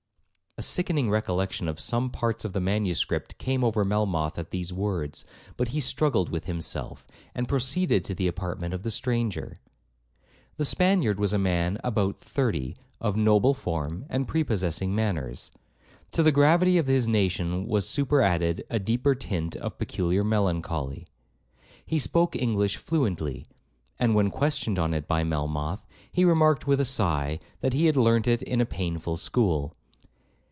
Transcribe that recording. A sickening recollection of some parts of the manuscript came over Melmoth at these words, but he struggled with himself, and proceeded to the apartment of the stranger. The Spaniard was a man about thirty, of a noble form and prepossessing manners. To the gravity of his nation was super added a deeper tint of peculiar melancholy. He spoke English fluently; and when questioned on it by Melmoth, he remarked with a sigh, that he had learnt it in a painful school.